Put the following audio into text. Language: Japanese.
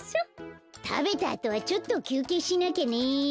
たべたあとはちょっときゅうけいしなきゃね。